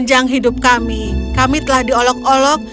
akan ada yang lebih keras yang kami silamkan ini ketika kami akan mengolok olok